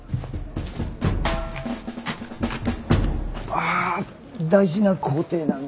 あ大事な工程なんで。